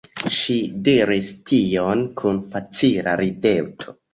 Ŝi diris tion kun facila rideto.